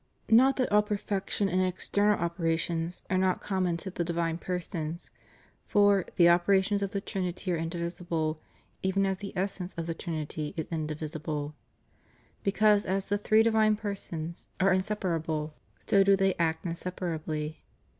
Not that all perfections and external operations are not common to the divine persons; for "the operations of the Trinity are indivisible, even as the essence of the Trinity is indivisible" ^ because as the three di\dne per sons "are inseparable, so do they act inseparably."